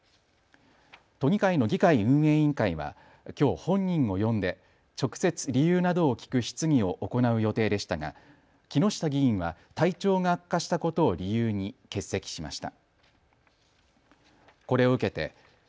都議会の議会運営委員会はきょう本人を呼んで直接、理由などを聞く質疑を行う予定でしたが木下議員は体調が悪化したことを理由に欠席しました。